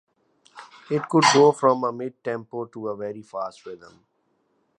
It could go from a mid tempo to a very fast rhythm.